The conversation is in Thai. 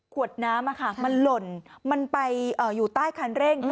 ขวดน้ำมันหล่นมันไปอยู่ใต้คันเร่ง